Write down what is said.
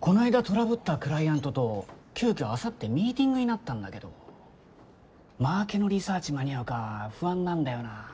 こないだトラブったクライアントと急きょあさってミーティングになったんだけどマーケのリサーチ間に合うか不安なんだよな。